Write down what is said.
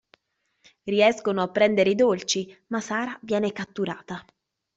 Riescono a prendere i dolci, ma Sara viene catturata.